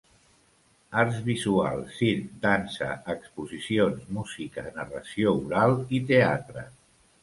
Arts visuals, circ, dansa, exposicions, música, narració oral i teatre.